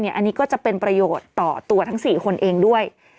อันนี้ก็จะเป็นประโยชน์ต่อตัวทั้ง๔คนเองด้วย